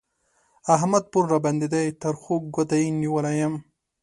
احمد پور راباندې دی؛ تر خوږ ګوته يې نيولی يم